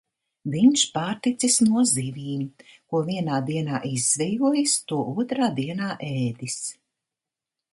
Viņš pārticis no zivīm: ko vienā dienā izzvejojis, to otrā dienā ēdis.